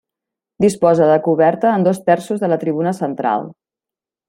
Disposa de coberta en dos terços de la tribuna central.